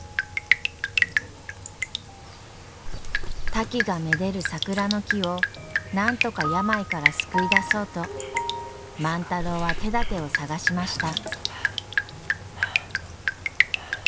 タキがめでる桜の木をなんとか病から救い出そうと万太郎は手だてを探しました。